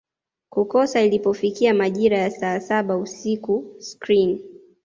kukosa ilipofika majira ya saa saba usiku screen